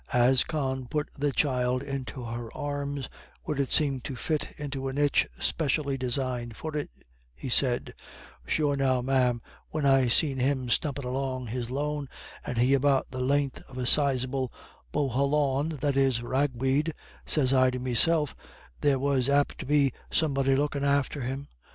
As Con put the child into her arms, where it seemed to fit into a niche specially designed for it, he said: "Sure now, ma'am, when I seen him stumpin' along his lone, and he about the heighth of a sizable boholawn (ragweed), sez I to meself there was apt to be somebody lookin' after him.